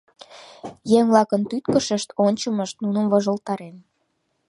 Еҥ-влакын тӱткышышт, ончымышт нуным вожылтарен.